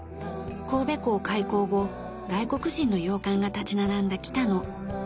神戸港開港後外国人の洋館が立ち並んだ北野。